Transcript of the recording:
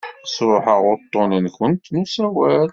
Sṛuḥeɣ uḍḍun-nwent n usawal.